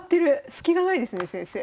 スキがないですね先生。